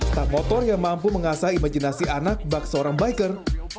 tak motor yang mampu mengasah imajinasi anak bak seorang biker